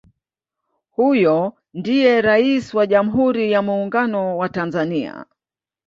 Huyo ndiye Rais wa jamhuri ya Muungano wa Tanzania